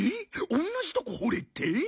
同じとこ掘れって？